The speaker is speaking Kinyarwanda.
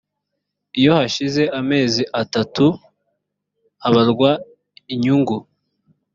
iyo hashize amezi atatu habarwa inyungu